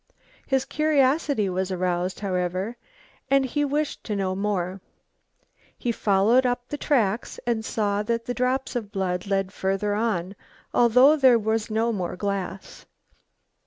His curiosity was aroused, however, and he wished to know more. He followed up the tracks and saw that the drops of blood led further on, although there was no more glass.